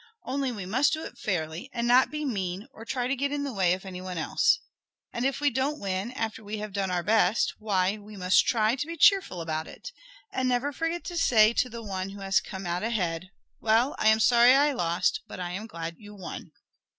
Only we must do it fairly, and not be mean, or try to get in the way of anyone else. And, if we don't win, after we have done our best, why we must try and be cheerful about it. And never forget to say to the one who has come out ahead: "Well, I am sorry I lost, but I am glad you won."